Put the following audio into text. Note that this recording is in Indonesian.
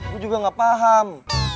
gue juga gak paham